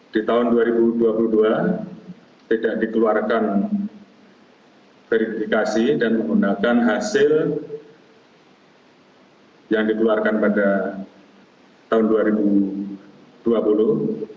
di tahun dua ribu dua puluh dua tidak dikeluarkan verifikasi dan menggunakan hasil yang dikeluarkan pada tahun dua ribu dua puluh